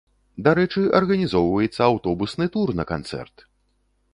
Дарэчы, арганізоўваецца аўтобусны тур на канцэрт!